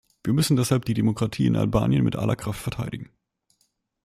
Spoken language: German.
Wir müssen deshalb die Demokratie in Albanien mit aller Kraft verteidigen.